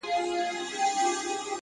o فريادي داده محبت کار په سلگيو نه سي؛